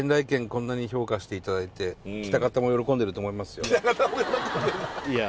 こんなに評価していただいて喜多方も喜んでるいや